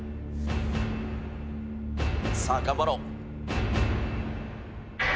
さあ頑張ろう。